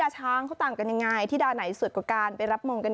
ได้เจอครั้งหนึ่งทะเลสินปลึงใย